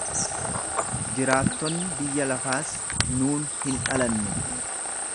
Jiraattonni biyya lafaas nuun hin dhalanne.